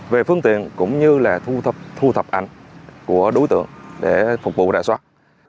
về phương tiện cũng như là thu thập ảnh của đối tượng để phục vụ đại soát